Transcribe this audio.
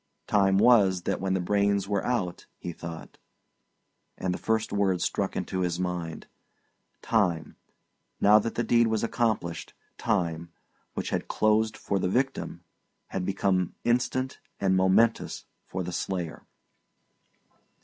"Time was that when the brains were out," he thought; and the first word struck into his mind. Time, now that the deed was accomplished time, which had closed for the victim, had become instant and momentous for the slayer.